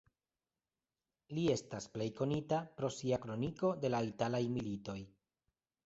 Li estas plej konita pro sia kroniko de la italaj militoj.